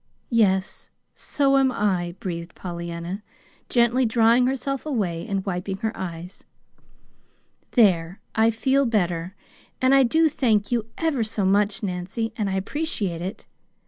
"Yes, so am I," breathed Pollyanna, gently drawing herself away and wiping her eyes. "There, I feel better. And I do thank you ever so much, Nancy, and I appreciate it.